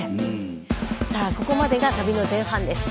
さあここまでが旅の前半です。